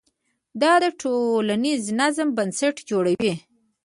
دا د ټولنیز نظم بنسټ جوړوي.